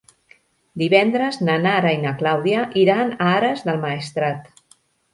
Divendres na Nara i na Clàudia iran a Ares del Maestrat.